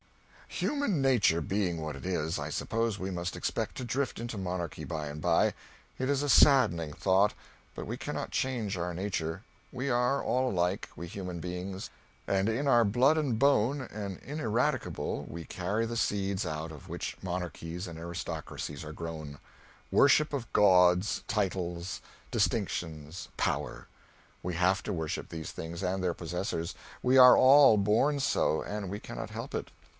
Human nature being what it is, I suppose we must expect to drift into monarchy by and by. It is a saddening thought, but we cannot change our nature: we are all alike, we human beings; and in our blood and bone, and ineradicable, we carry the seeds out of which monarchies and aristocracies are grown: worship of gauds, titles, distinctions, power. We have to worship these things and their possessors, we are all born so, and we cannot help it.